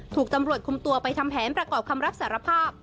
ถูกตำรวจคุมตัวไปทำแผนประกอบคำรับสารภาพ